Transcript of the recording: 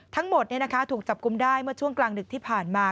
ทั้งหมดถูกจับกุมได้เมื่อช่วงกลางดึกที่ผ่านมา